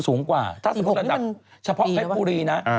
สูงกว่าถ้าสมมุติระดับเฉพาะเพชรบุรีนะ